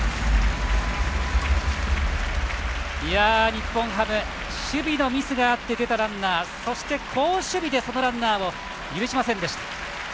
日本ハム、守備のミスがあって出たランナーそして、好守備でそのランナーを許しませんでした。